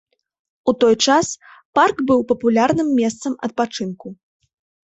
У той час парк быў папулярным месцам адпачынку.